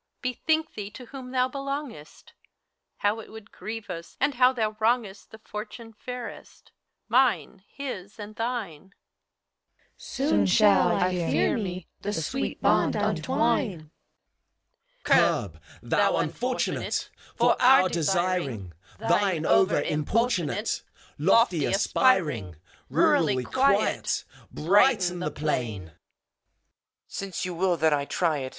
Bethink thee To whom thou helongesti How it would grieve us, And how thou wrongest The fortune fairest, — Mine, His, and Thine! CHORUS. Soon shall, I fear me, The sweet bond untwine! HELENA AND FAUST. Curb, thou Unfortunate! For our desiring, Thine over importunate Lofty aspiring! Rurally quiet, Brighten the plain ! EUPHORION. Since you will that I try it.